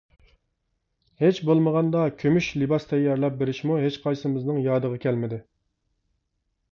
ھېچ بولمىغاندا كۈمۈش لىباس تەييارلاپ بېرىشمۇ ھېچقايسىمىزنىڭ يادىغا كەلمىدى.